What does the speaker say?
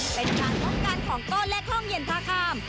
เป็นการลดกันของโต้เล็กห้องเยี่ยนทางข้าม